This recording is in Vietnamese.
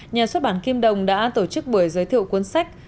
nhà xuất bản kim đồng đã tổ chức buổi giới thiệu cuốn sách